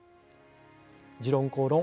「時論公論」